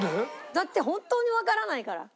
だって本当にわからないから。